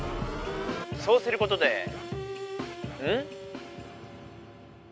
そうすることでん？